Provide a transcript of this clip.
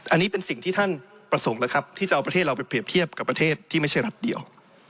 อันนี้เป็นสิ่งที่ท่านประสงค์แล้วครับที่จะเอาประเทศเราไปเปรียบเทียบกับประเทศที่ไม่ใช่รัฐเดียว